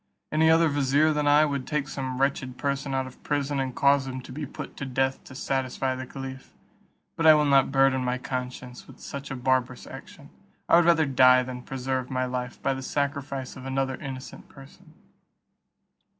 Any other vizier than I would take some wretched person out of prison, and cause him to be put to death to satisfy the caliph; but I will not burden my conscience with such a barbarous action; I will rather die than preserve my life by the sacrifice of another innocent person."